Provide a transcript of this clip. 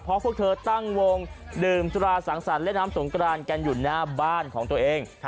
เพราะพวกเธอตั้งวงดื่มตุลาสังสรรค์เล่นน้ำสงกรานกันอยู่หน้าบ้านของตัวเอง